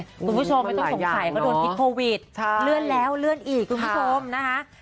หลวงผู้ชมไม่ต้องสงขัยมาโดนพิโควิดเลื่อนแล้วเลื่อนอีกหลวงผู้ชมนะคะไม่หลายอย่างเนอะ